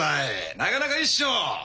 なかなかいいっしょ。